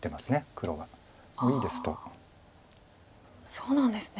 そうなんですね。